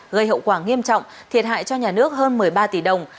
gây hậu quả nghiêm trọng thiệt hại cho nhà nước hơn một mươi ba tỷ đồng